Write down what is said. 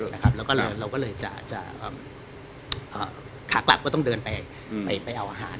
แล้วก็เราก็เลยจะขากลับก็ต้องเดินไปเอาอาหาร